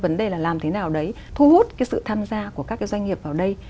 vấn đề là làm thế nào đấy thu hút cái sự tham gia của các cái doanh nghiệp vào đây